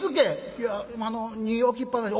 「いやあの荷ぃ置きっ放し」。